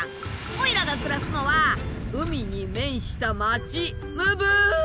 おいらが暮らすのは海に面した町ムブール！